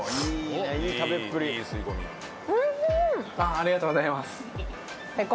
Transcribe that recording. ありがとうございます。